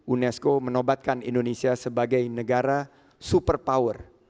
unesco menobatkan indonesia sebagai negara super power